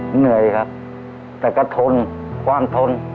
เหนื่อยครับแต่ก็ทนความทน